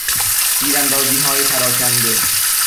تیراندازیهای پراکنده